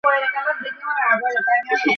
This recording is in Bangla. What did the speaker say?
এশিয়ান গেমসের ক্রিকেটে অংশগ্রহণ করেন তিনি।